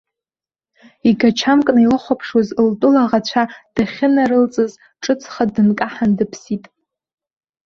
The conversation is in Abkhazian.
Игачамкны илыхәаԥшуаз лтәыла аӷацәа дахьынарылҵыз, ҿыцха дынкаҳан дыԥсит.